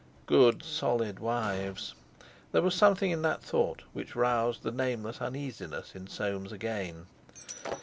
Good, solid wives! There was something in that thought which roused the nameless uneasiness in Soames again.